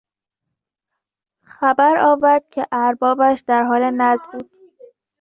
خبر آورد که اربابش در حال نزع بود.